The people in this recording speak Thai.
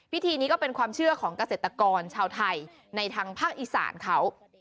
พิธีนี้ก็เป็นความเชื่อของเกษตรกรชาวไทยในทางภาคอีสานเขา